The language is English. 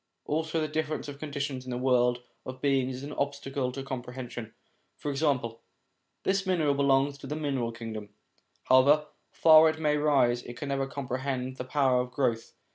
Also the difference of conditions in the world of beings is an obstacle to comprehension. For example : this mineral belongs to the mineral kingdom ; however far it may rise, it can never comprehend the power of growth.